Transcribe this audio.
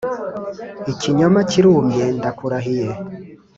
ikinyoma kirumye ndakurahiye